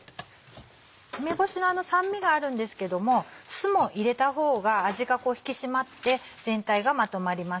梅干しの酸味があるんですけども酢も入れた方が味が引き締まって全体がまとまります。